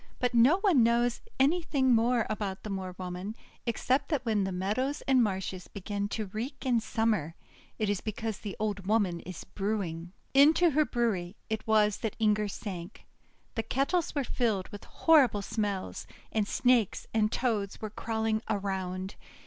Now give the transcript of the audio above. But no one knows anything more about the Moor Woman, except that when the meadows and marshes begin to reek in Summer, it is because the old woman is brewing. Into her brewery it was that Inger sank. The kettles were filled with horrible smells, and Snakes and Toads were crawling around.